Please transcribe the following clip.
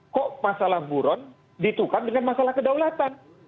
kok masalah buron ditukan dengan masalah kedaulatan